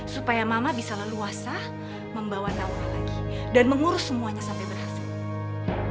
supaya mama bisa leluasa membawa tawar lagi dan mengurus semuanya sampai berhasil